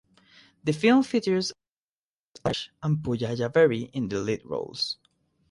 The film features Allari Naresh and Pooja Jhaveri in the lead roles.